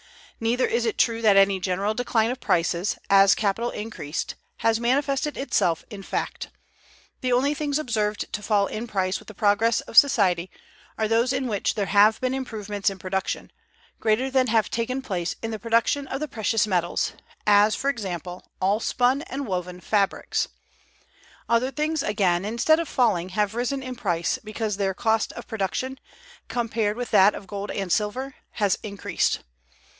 Neither is it true that any general decline of prices, as capital increased, has manifested itself in fact. The only things observed to fall in price with the progress of society are those in which there have been improvements in production, greater than have taken place in the production of the precious metals; as, for example, all spun and woven fabrics. Other things, again, instead of falling, have risen in price, because their cost of production, compared with that of gold and silver, has increased.